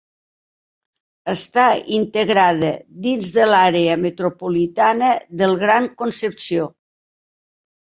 Està integrada dins de l'àrea metropolitana del Gran Concepción.